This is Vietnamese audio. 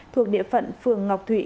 thuộc địa phận phường ngọc thụy